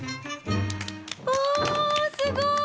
おすごい！